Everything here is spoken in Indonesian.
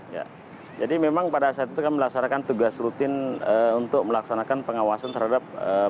ya jadi memang pada saat itu kami melaksanakan tugas rutin untuk melaksanakan pengawasan terhadap